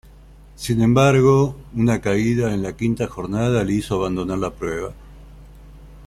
Sin embargo, una caída en la quinta jornada le hizo abandonar la prueba.